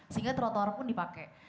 sehingga trotor pun dipakai